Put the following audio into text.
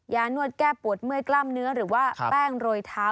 นวดแก้ปวดเมื่อยกล้ามเนื้อหรือว่าแป้งโรยเท้า